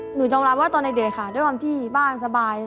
ยอมรับว่าตอนเด็กค่ะด้วยความที่บ้านสบาย